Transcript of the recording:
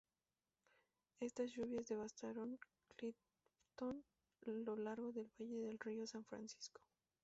Estas lluvias devastaron Clifton lo largo del valle del río San Francisco.